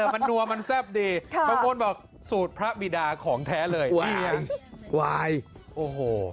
มันนัวมันแซ่บดีบางคนบอกสูตรพระบิดาของแท้เลยวายวายโอ้โห